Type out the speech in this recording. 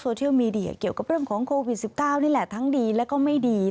โซเชียลมีเดียเกี่ยวกับเรื่องของโควิด๑๙นี่แหละทั้งดีแล้วก็ไม่ดี